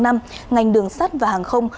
ngành đường sắt và hàng không